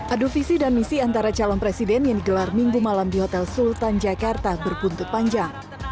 adu visi dan misi antara calon presiden yang digelar minggu malam di hotel sultan jakarta berbuntut panjang